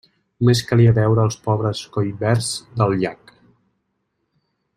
Només calia veure els pobres collverds del llac.